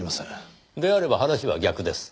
であれば話は逆です。